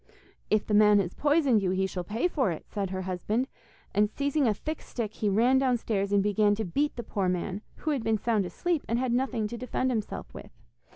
'If the man has poisoned you he shall pay for it,' said her husband, and seizing a thick stick he ran downstairs and began to beat the poor man, who had been sound asleep, and had nothing to defend himself with.